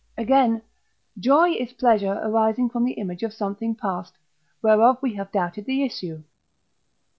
Again, Joy is Pleasure arising from the image of something past whereof we have doubted the issue.